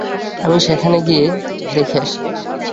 আমি সেখানে গিয়ে দেখে আসি।